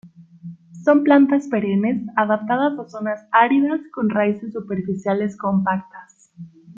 Son plantas perennes adaptadas a zonas áridas con raíces superficiales compactas.